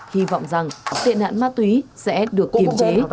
hi vọng rằng tiện hãn ma túy sẽ được kiểm tra